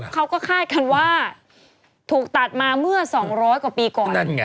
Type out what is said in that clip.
เขาก็คาดกันว่าถูกตัดมาเมื่อ๒๐๐กว่าปีก่อน